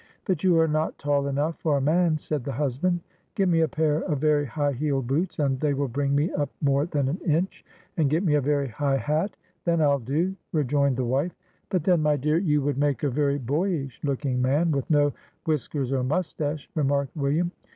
"But you are not tall enough for a man," said the husband. " Get me a pair of very high heeled boots, and they will bring me up more than an inch, and get me a very high hat, then I'll do," rejoined the wife. "But then, my dear, you would make a very boyish looking man, with no whiskers or moustache," remarked William.